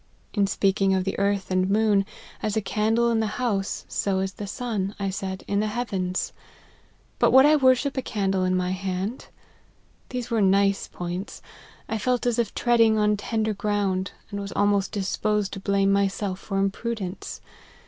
In speaking of the earth and moon, as a candle in the house, so is the sun,' I said, ' in the heavens.' But would I worship a candle in my hand ? These were nice points ; I felt as if treading on tender ground, and was almost disposed to blame myself for imprudence.